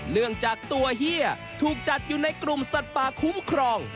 เนื่องจากตัวเฮียถูกจัดอยู่ในกลุ่มสัตว์ป่าคุ้มครอง